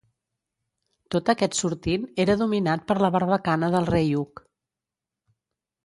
Tot aquest sortint era dominat per la Barbacana del Rei Hug.